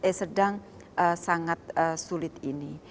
eh sedang sangat sulit ini